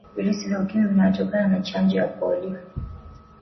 virusi vya ukimwi vinatokana na Chanjo ya polio